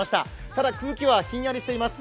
ただ空気はひんやりしています。